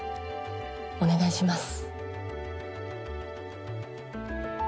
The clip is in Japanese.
お願いします。